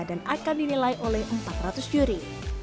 dan akan dinilai oleh empat ratus juri